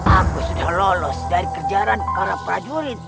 aku sudah lolos dari kerjaan para prajuritnya